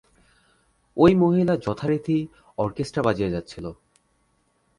ঐ মহিলা যথারীতি অর্কেস্ট্রা বাজিয়ে যাচ্ছিল।